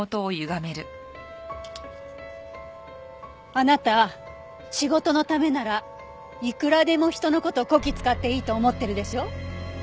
あなた仕事のためならいくらでも人の事をこき使っていいと思ってるでしょ？